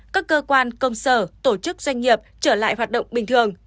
các cơ quan công sở tổ chức doanh nghiệp trở lại hoạt động bình thường